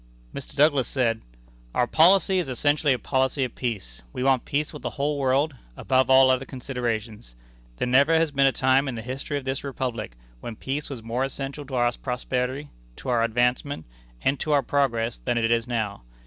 Mr. Douglas said: "Our policy is essentially a policy of peace. We want peace with the whole world, above all other considerations. There never has been a time in the history of this Republic, when peace was more essential to our prosperity, to our advancement, and to our progress, than it is now.